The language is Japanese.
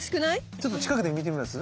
ちょっと近くで見てみます？